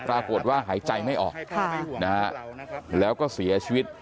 ปรากฏว่าหายใจไม่ออกแล้วก็เสียชีวิต